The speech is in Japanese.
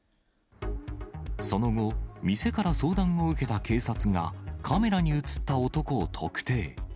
その後、店から相談を受けた警察が、カメラに写った男を特定。